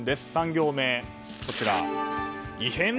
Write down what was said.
３行目、異変？